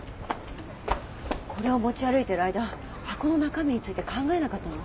これを持ち歩いてる間箱の中身について考えなかったの？